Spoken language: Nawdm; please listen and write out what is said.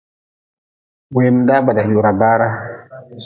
Wemdaa ba da yuhra baara.